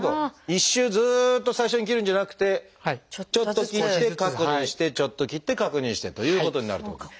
一周ずっと最初に切るんじゃなくてちょっと切って確認してちょっと切って確認してということになるっていうこと。